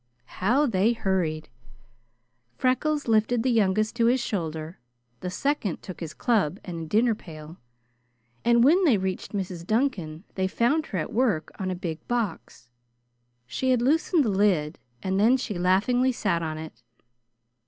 How they hurried! Freckles lifted the youngest to his shoulder, the second took his club and dinner pail, and when they reached Mrs. Duncan they found her at work on a big box. She had loosened the lid, and then she laughingly sat on it.